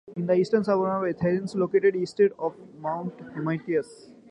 It is an eastern suburb of Athens, located east of Mount Hymettus.